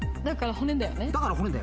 骨だよね。